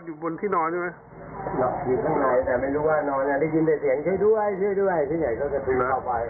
อยู่บนที่นอนใช่ไหมนอนอยู่ข้างในแต่ไม่รู้ว่านอน